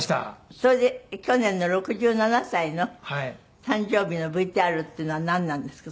それで去年の６７歳の誕生日のＶＴＲっていうのはなんなんですか？